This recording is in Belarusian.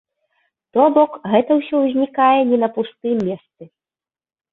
То бок, гэта ўсё ўзнікае не на пустым месцы.